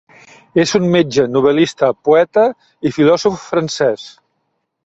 És un metge, novel·lista, poeta i filòsof francès.